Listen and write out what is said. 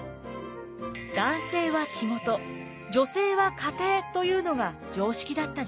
男性は仕事女性は家庭というのが常識だった時代。